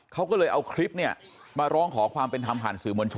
เขาก็เลยเอาคลิปเนี่ยมาร้องขอความเป็นธรรมผ่านสื่อมวลชน